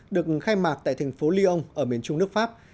được khai mạc tại thành phố lyon ở miền trung nước pháp